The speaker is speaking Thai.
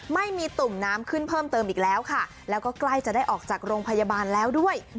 ไม่มีตุ่มน้ำขึ้นเพิ่มเติมอีกแล้วค่ะแล้วก็ใกล้จะได้ออกจากโรงพยาบาลแล้วด้วย